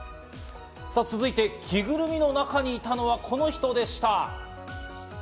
続いて、着ぐるみの中にいたのはこの人でした。